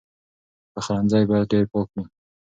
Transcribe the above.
پخلنځی باید ډېر پاک وي.